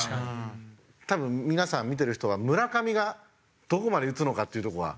多分皆さん見てる人は村上がどこまで打つのかっていうとこが。